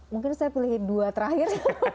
mungkin saya pilih dua terakhir